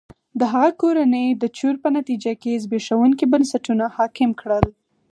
د هغه کورنۍ د چور په نتیجه کې زبېښونکي بنسټونه حاکم کړل.